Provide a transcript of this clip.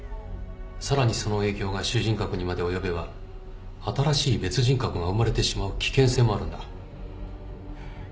さらにその影響が主人格にまで及べば新しい別人格が生まれてしまう危険性もあるんだ